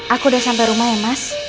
aku udah sampai rumah ya mas